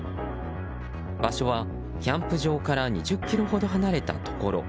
場所は、キャンプ場から２０ｋｍほど離れたところ。